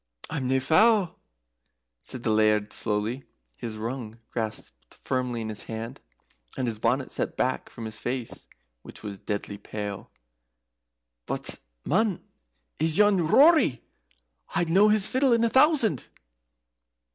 "I'm nae fou," said the Laird, slowly, his rung grasped firmly in his hand, and his bonnet set back from his face, which was deadly pale. "But man is yon Rory? I'd know his fiddle in a thousand."